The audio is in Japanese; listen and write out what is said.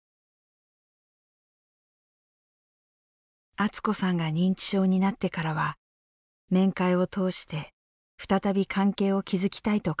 アツ子さんが認知症になってからは面会を通して再び関係を築きたいと考えていました。